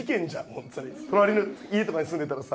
ホントに隣の家とかに住んでたらさ